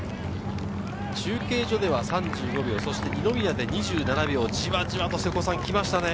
中継所では３５秒、二宮で２７秒、じわじわと来ましたね。